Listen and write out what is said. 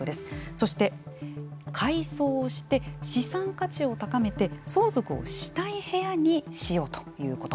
そして、改装をして資産価値を高めて相続をしたい部屋にしようということ。